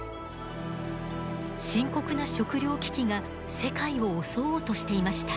深刻な食糧危機が世界を襲おうとしていました。